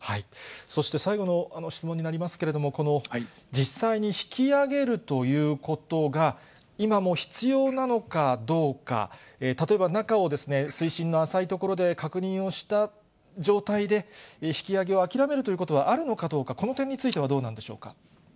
そして最後の質問になりますけれども、この実際に引き揚げるということが、今も必要なのかどうか、例えば、中を水深の浅い所で確認をした状態で引き揚げを諦めるということはあるのかどうか、この点についてはどうなんでしょうか。